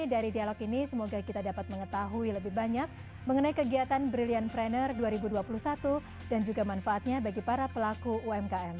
dari dialog ini semoga kita dapat mengetahui lebih banyak mengenai kegiatan brilliant pranner dua ribu dua puluh satu dan juga manfaatnya bagi para pelaku umkm